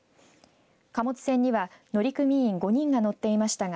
貨物船には乗組員５人が乗っていましたが